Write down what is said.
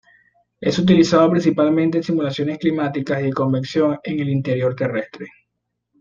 Es utilizado principalmente en simulaciones climáticas y de convección en el interior terrestre.